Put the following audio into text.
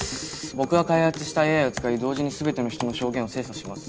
僕が開発したＡＩを使い同時に全ての人の証言を精査します。